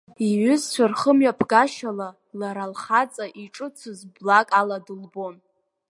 Иҩызцәа рхымҩаԥгашьала, Лара лхаҵа иҿыцыз блак ала дылбон.